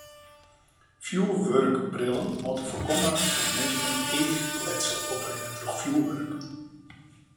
Fjoerwurkbrillen moatte foarkomme dat minsken eachletsel oprinne troch fjoerwurk.